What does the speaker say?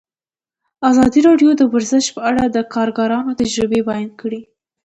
ازادي راډیو د ورزش په اړه د کارګرانو تجربې بیان کړي.